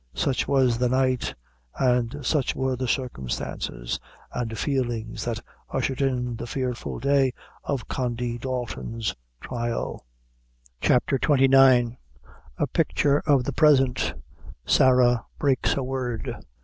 Such was the night, and such were the circumstances and feelings that ushered in the fearful day of Condy Dalton's trial. CHAPTER XXIX. A Picture of the Present Sarah Breaks her Word.